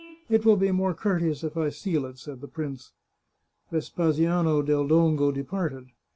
' It will be more courteous if I seal it/ said the prince. Vespasiano del Dongo departed.